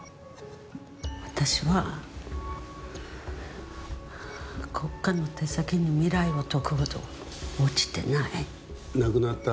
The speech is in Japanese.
私は国家の手先に未来を説くほど落ちてない。